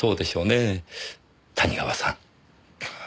谷川さん。